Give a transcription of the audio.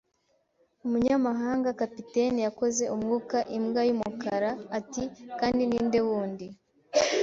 umunyamahanga. Kapiteni yakoze umwuka. “Imbwa y'umukara!” ati. “Kandi ni nde wundi?”